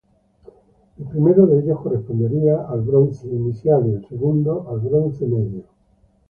El primero de ellos correspondería al Bronce Inicial, y el segundo al Bronce Medio.